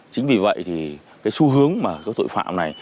chính vì vậy thì cái xu hướng mà cái tội phạm này